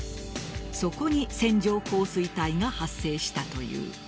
そこに線状降水帯が発生したという。